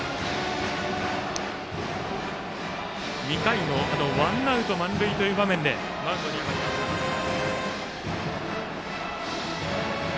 ２回のワンアウト満塁という場面でマウンドに上がりました高橋。